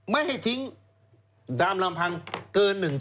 ไม่ให้ทิ้งตามลำพังเกิน๑๐๐